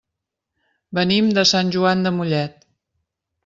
Venim de Sant Joan de Mollet.